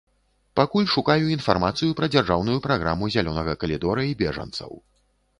Пакуль шукаю інфармацыю пра дзяржаўную праграму зялёнага калідора і бежанцаў.